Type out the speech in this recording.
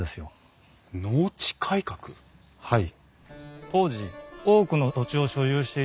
はい。